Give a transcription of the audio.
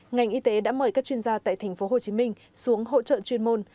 ngành y tế đã mời các chuyên gia tại tp hcm xuống hỗ trợ chuyên môn